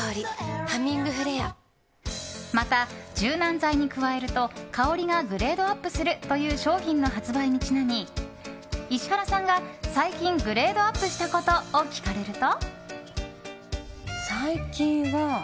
また、柔軟剤に加えると香りがグレードアップするという商品の発売にちなみ石原さんが最近グレードアップしたことを聞かれると。